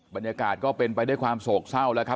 บรรยากาศก็เป็นไปด้วยความโสกเช่านะครับ